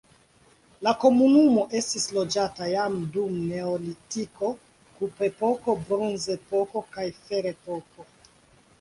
La komunumo estis loĝata jam dum neolitiko, kuprepoko, bronzepoko kaj ferepoko.